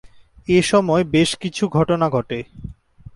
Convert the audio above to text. এসময় বেশ কিছু ঘটনা ঘটে।